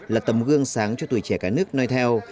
là tấm gương sáng cho tuổi trẻ cả nước nói theo